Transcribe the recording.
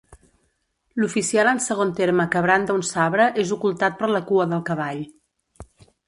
L'oficial en segon terme que branda un sabre és ocultat per la cua del cavall.